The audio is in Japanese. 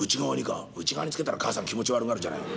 「内側につけたら母さん気持ち悪がるじゃない」。